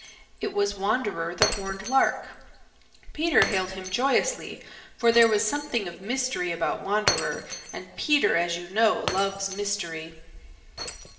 It was Wanderer the Horned Lark. Peter hailed him joyously, for there was something of mystery about Wanderer, and Peter, as you know, loves mystery.